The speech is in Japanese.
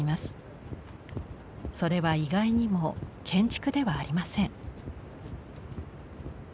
それは意外にも建築ではありません。